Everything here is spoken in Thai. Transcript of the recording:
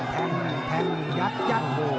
แทงจัด